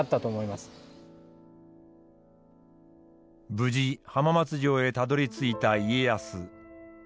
無事浜松城へたどりついた家康。